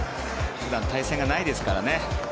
普段対戦がないですからね。